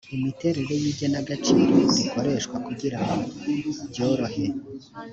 imiterere y igenagaciro rikoreshwa kugira ngo byorohe